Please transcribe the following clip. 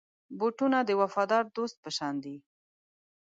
بوټونه د وفادار دوست په شان دي.